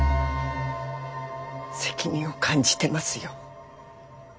責任を感じてますよ。